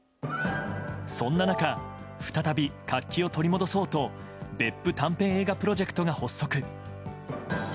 そんな中再び活気を取り戻そうと別府短編映画プロジェクトが発足。